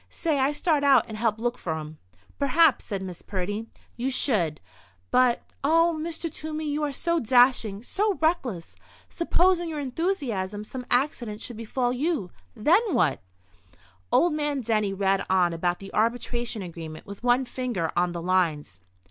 "Say I start out and help look for um!" "Perhaps," said Miss Purdy, "you should. But, oh, Mr. Toomey, you are so dashing—so reckless—suppose in your enthusiasm some accident should befall you, then what—" Old man Denny read on about the arbitration agreement, with one finger on the lines.